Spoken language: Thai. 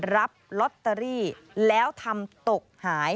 รับลอตเตอรี่แล้วทำตกหาย